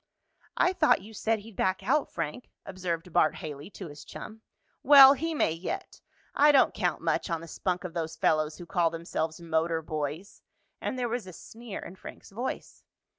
"I thought you said he'd back out, Frank," observed Bart Haley to his chum. "Well, he may yet. I don't count much on the spunk of those fellows who call themselves motor boys," and there was a sneer in Frank's voice.